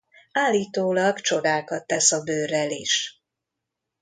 Állítólag csodákat tesz a bőrrel is.